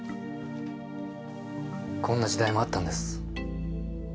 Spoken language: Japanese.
こんな時代もあったんです。